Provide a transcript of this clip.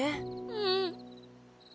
うん？